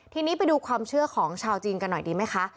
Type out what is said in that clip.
ทีนี้ไปดูความเชื่อของชาวจีนกันหน่อยดีไหมคะ